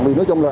vì nói chung là